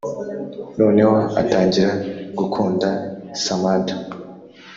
noneho atangira gukunda samantha